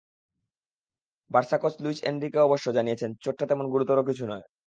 Barca coach Luis Enrique অবশ্য জানিয়েছেন, চোটটা তেমন গুরুতর কিছু নয়।